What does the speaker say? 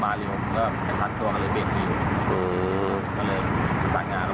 ไม่ตกครับมันแสดงว่าลื่นหน่อยแสดงว่าปล่อย